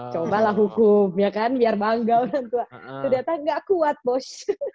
cobalah hukum ya kan biar bangga orang tua ternyata gak kuat bos